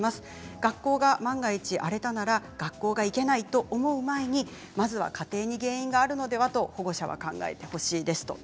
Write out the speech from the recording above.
学校が万が一荒れたなら学校がいけないと思う前に家庭に原因があるのでは、と保護者は考えてほしいです。